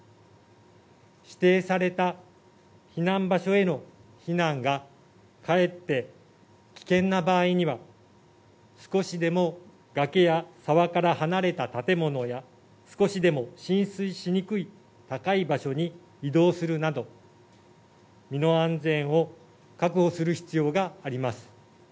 指定された避難場所への避難がかえって危険な場合には、少しでも崖や沢から離れた建物や、少しでも浸水しにくい高い場所に移動するなど、身の安全を確保する必要があります。